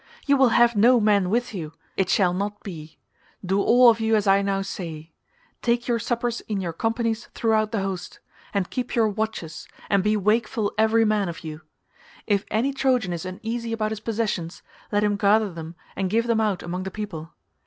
You will have no man with you; it shall not be; do all of you as I now say;—take your suppers in your companies throughout the host, and keep your watches and be wakeful every man of you. If any Trojan is uneasy about his possessions, let him gather them and give them out among the people.